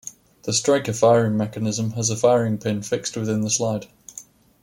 The striker firing mechanism has a firing pin fixed within the slide.